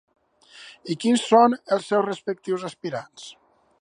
I quins són els seus respectius aspirants?